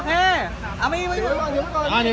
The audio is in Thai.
เอ่ยโอเค